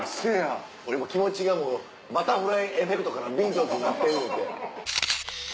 気持ちがもう『バタフライエフェクト』からビートルズになってんねんて。